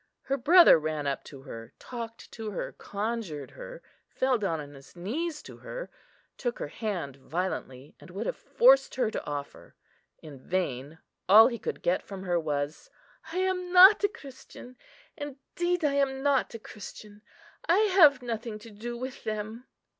Her brother ran up to her; talked to her, conjured her, fell down on his knees to her; took her hand violently, and would have forced her to offer. In vain; all he could get from her was, "I am not a Christian; indeed, I am not a Christian. I have nothing to do with them.